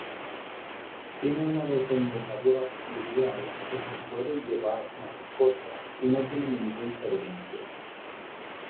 Tiene una desembocadura fluvial y se puede llevar mascota y no tiene ningún servicio.